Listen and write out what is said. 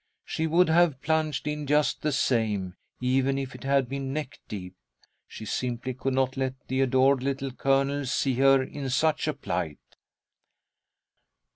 She would have plunged in just the same, even if it had been neck deep. She simply could not let the adored Little Colonel see her in such a plight.